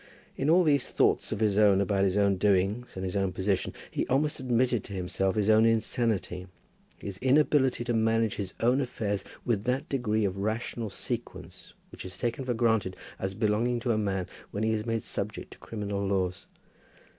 In all these thoughts of his own about his own doings, and his own position, he almost admitted to himself his own insanity, his inability to manage his own affairs with that degree of rational sequence which is taken for granted as belonging to a man when he is made subject to criminal laws.